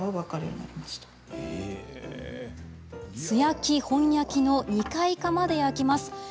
素焼き、本焼きの２回窯で焼きます。